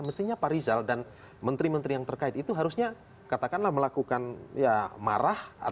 mestinya pak rizal dan menteri menteri yang terkait itu harusnya katakanlah melakukan ya marah